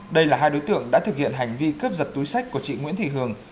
đây là hai đối tượng đã thực hiện hành vi cướp giật túi sách của chị nguyễn thị hường